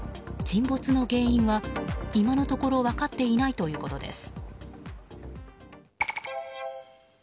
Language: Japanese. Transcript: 沈没の原因は、今のところ分かっていないということです。